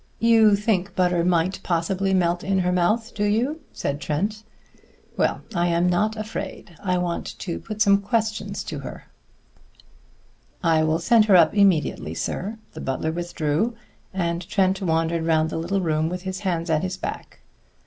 "You think butter might possibly melt in her mouth, do you?" said Trent. "Well, I am not afraid. I want to put some questions to her." "I will send her up immediately, sir." The butler withdrew, and Trent wandered round the little room with his hands at his back.